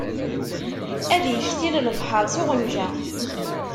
Ad iktil lebḥeṛ s uɣenja.